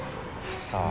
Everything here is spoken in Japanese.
さあ？